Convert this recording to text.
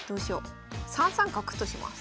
３三角とします。